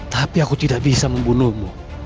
tapi aku tidak bisa membunuhmu